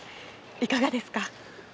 いかがですか？